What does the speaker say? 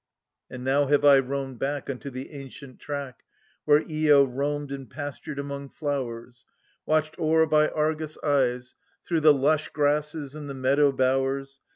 And now have I roamed back Unto the ancient track Whe re lo r oamed and pastured among flowers, 'itched o'er by Argus' eyes, Through the lush grasses and the meadow bowers.